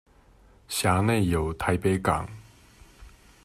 轄內有臺北港